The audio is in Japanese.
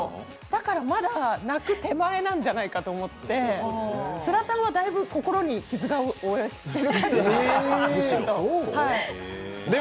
だから泣く手前なんじゃないかと思ってつらたんはだいぶ心に傷を負って。